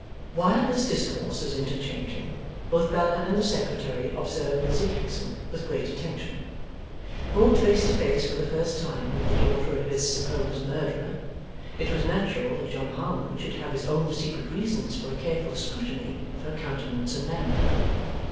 While this discourse was interchanging, both Bella and the Secretary observed Lizzie Hexam with great attention. Brought face to face for the first time with the daughter of his supposed murderer, it was natural that John Harmon should have his own secret reasons for a careful scrutiny of her countenance and manner.